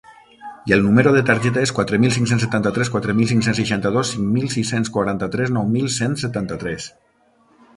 I el numero de targeta és quatre mil cinc-cents setanta-tres quatre mil cinc-cents seixanta-dos cinc mil sis-cents quaranta-tres nou mil cent setanta-tres.